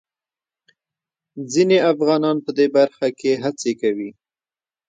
ځينې افغانان په دې برخه کې هڅې کوي.